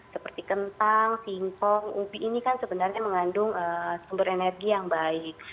seperti kentang singkong upi ini kan sebenarnya mengandung sumber energi yang baik